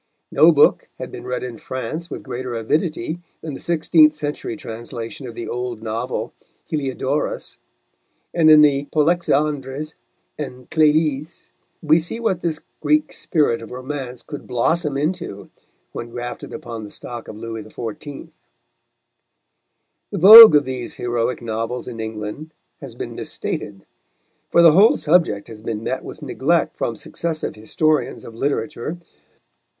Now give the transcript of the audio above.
No book had been read in France with greater avidity than the sixteenth century translation of the old novel Heliodorus; and in the Polexandres and Clélies we see what this Greek spirit of romance could blossom into when grafted upon the stock of Louis XIV. The vogue of these heroic novels in England has been misstated, for the whole subject has but met with neglect from successive historians of literature.